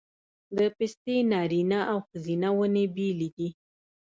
د پستې نارینه او ښځینه ونې بیلې دي؟